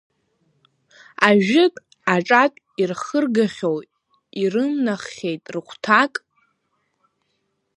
Ажәытә, аҿатә ирхыргахьоу, ирымнаххьеит рыхәҭак?